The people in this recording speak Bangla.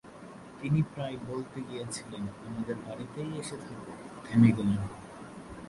তিনি প্রায় বলতে গিয়েছিলেন, আমাদের বাড়িতেই এসে থাকো– থেমে গেলেন।